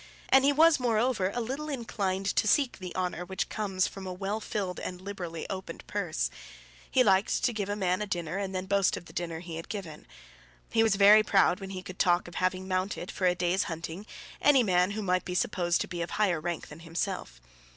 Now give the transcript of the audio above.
And he was, moreover, a little inclined to seek the honour which comes from a well filled and liberally opened purse. He liked to give a man a dinner and then to boast of the dinner he had given. He was very proud when he could talk of having mounted, for a day's hunting, any man who might be supposed to be of higher rank than himself.